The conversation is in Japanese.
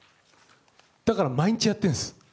だから毎日やってるんです。